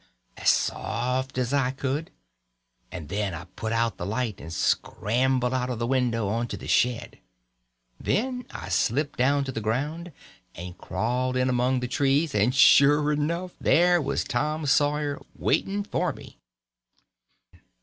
_" as soft as I could, and then I put out the light and scrambled out of the window on to the shed. Then I slipped down to the ground and crawled in among the trees, and, sure enough, there was Tom Sawyer waiting for me.